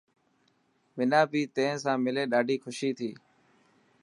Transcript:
منان بي تين ساملي ڏاڍي خوشي ٿي.